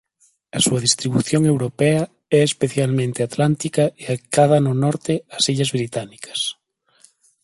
A súa distribución europea é especialmente atlántica e acada no norte as Illas Británicas.